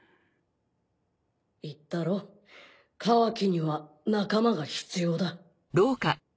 言ったろカワキには仲間が必要だ。